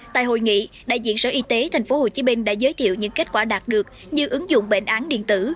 tại hội nghị đại diện sở y tế thành phố hồ chí minh đã giới thiệu những kết quả đạt được như ứng dụng bệnh án điện tử